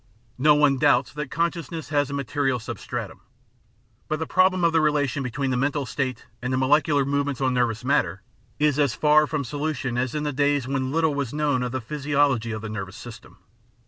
No one doubts that consciousness has a material substratum, but the problem of the relation between the mental state and the molecular movements on nervous matter is as far from solution as in the days when little was known of the physio logy of the nervous system.